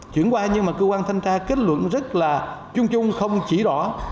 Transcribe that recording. chuyển qua nhưng mà cơ quan thanh tra kết luận rất là chung chung không chỉ rõ